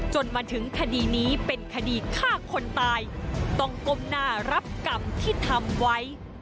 จนมาถึงคดีนี้เป็นคดีฆ่าคนตายต้องก้มหน้ารับกรรมที่ทำไว้